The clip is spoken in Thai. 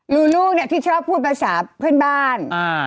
ลูลูเนี่ยที่ชอบพูดภาษาเพื่อนบ้าน